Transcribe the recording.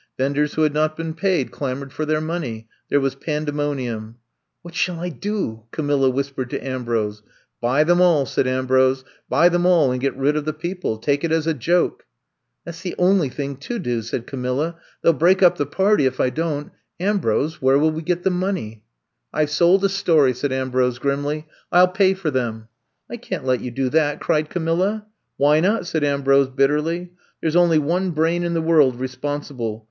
Venders who had not been paid clamored for their money. There was pandemonium. *'What shall I do?" Camilla whispered to Ambrose. Buy them all,*^ said Ambrose. Buy them all and get rid of the people. Take it as a joke. '' *'That 's the only thing to do," said Ca milla. *'They '11 break up the party if I 134 I'VE COMB TO STAY don't. Ambrose, where will we get the money f I Ve sold a story/' said Ambrose grimly. I '11 pay for them. '' I can't let you do that," cried Camilla. Why not?" said Ambrose bitterly. There 's only one brain in the world re sponsible.